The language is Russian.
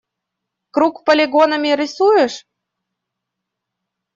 Круг полигонами рисуешь?